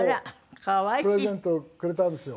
「プレゼントをくれたんですよ」